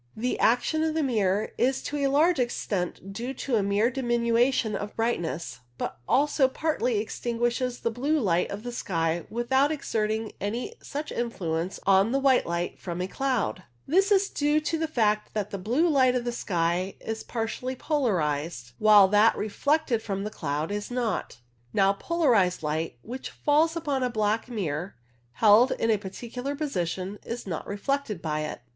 The action of the mirror is to a large extent due to mere diminution of brightness, but it also partly extinguishes the blue light of the sky without exerting any such influence on the white light from 174 CLOUD PHOTOGRAPHY a cloud. This is due to the fact that the blue light of the sky is partly polarized, while that reflected from the cloud is not. Now, polarized light which falls upon a black mirror held in a particular position is not reflected by it.